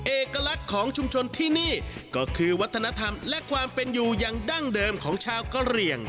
เอกลักษณ์ของชุมชนที่นี่ก็คือวัฒนธรรมและความเป็นอยู่อย่างดั้งเดิมของชาวกะเหลี่ยง